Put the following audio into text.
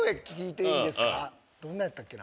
どんなんやったっけな？